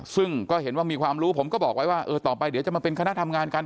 ซึ่งก็เห็นว่ามีความรู้ผมก็บอกไว้ว่าเออต่อไปเดี๋ยวจะมาเป็นคณะทำงานกัน